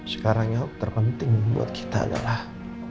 sekarang yang terpenting buat kita adalah